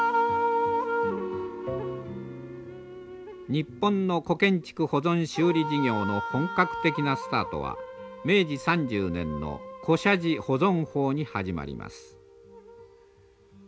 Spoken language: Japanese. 日本の古建築保存修理事業の本格的なスタートは明治３０年の古社寺保存法に始まります。